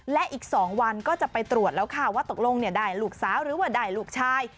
และอีก๒วันก็จะไปตรวจแล้วค่ะว่าตกลงได้ลูกสาวหรือว่าได้ลูกชาย